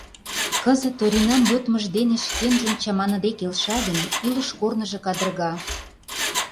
Кызыт Оринан йодмыж дене шкенжым чаманыде келша гын, илыш корныжо кадырга.